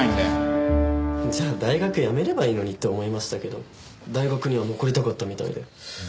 じゃあ大学やめればいいのにって思いましたけど大学には残りたかったみたいで。